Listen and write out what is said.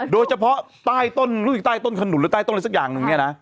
โดยเฉพาะใต้ต้นรู้สึกใต้ต้นขนุนหรือใต้ต้นอะไรสักอย่างหนึ่งเนี่ยนะ